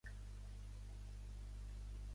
Els rizomes reptants arrelen i en surten noves tiges.